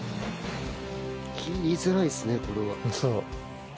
切りづらいですねこれは。